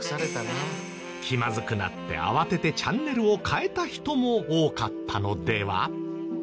気まずくなって慌ててチャンネルを変えた人も多かったのでは？